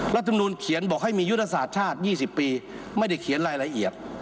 รัฐมนุนเขียนบอกให้มียุทธศาสตร์ชาติ๒๐ปีไม่ได้เขียนรายละเอียด